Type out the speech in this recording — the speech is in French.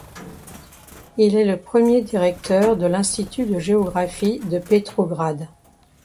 Il est le premier directeur de l'institut de géographie de Petrograd.